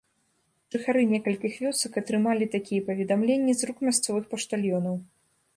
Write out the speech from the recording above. Жыхары некалькіх вёсак атрымалі такія паведамленні з рук мясцовых паштальёнаў.